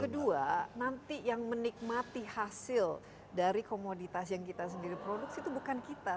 kedua nanti yang menikmati hasil dari komoditas yang kita sendiri produksi itu bukan kita